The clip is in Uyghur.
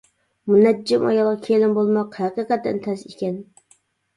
مۇنەججىم ئايالغا كېلىن بولماق ھەقىقەتەن تەس ئىكەن.